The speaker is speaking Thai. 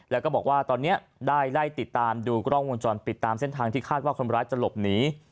แล้วก็บอกว่าตอนนี้ได้ไล่ติดตามดูกล้องวงจรปิดตามเส้นทางที่คาดว่าคนร้ายจะหลบหนี